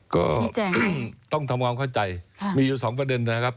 ก็ต้องทำความเข้าใจมีอยู่สองประเด็นนะครับ